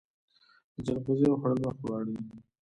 د جلغوزیو خوړل وخت غواړي.